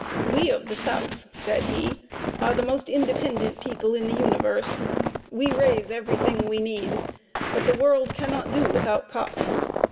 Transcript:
"We of the South," said he, "are the most independent people in the universe. We raise every thing we need; but the world can not do without cotton.